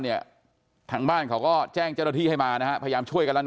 เนี่ยทางบ้านเขาก็แจ้งเจ้าละที่ให้มานะพยายามช่วยกันนะ